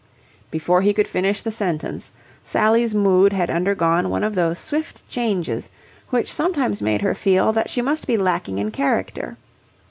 Before he could finish the sentence, Sally's mood had undergone one of those swift changes which sometimes made her feel that she must be lacking in character.